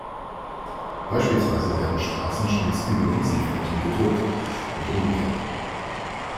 Beispielsweise werden Straßen stets über Wiesenflächen gedruckt, nicht umgekehrt.